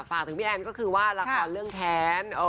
ฝากถึงพี่แอนก็คือว่าละครเรื่องแค้น